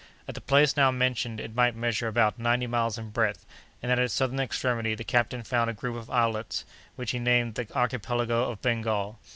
At the place now mentioned it might measure about ninety miles in breadth, and at its southern extremity the captain found a group of islets, which he named the Archipelago of Bengal.